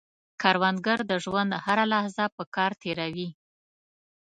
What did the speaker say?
کروندګر د ژوند هره لحظه په کار تېروي